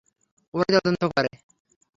ওরাই তদন্ত করে।